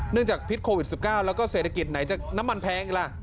จากพิษโควิด๑๙แล้วก็เศรษฐกิจไหนจะน้ำมันแพงอีกล่ะ